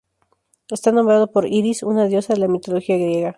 Está nombrado por Iris, una diosa de la mitología griega.